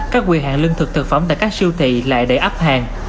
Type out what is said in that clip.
các quyền hàng lương thực thực phẩm tại các siêu thị lại để ấp hàng